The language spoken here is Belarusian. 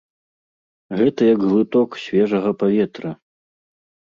Гэта як глыток свежага паветра!